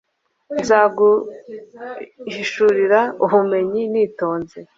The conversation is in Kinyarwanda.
nzaguhishurira ubumenyi nitonze